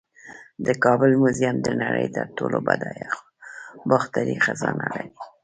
د کابل میوزیم د نړۍ تر ټولو بډایه باختري خزانې لري